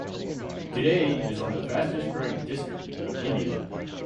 Today, it is one of the fastest growing district of India.